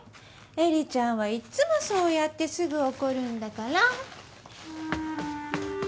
衿ちゃんはいっつもそうやってすぐ怒るんだから。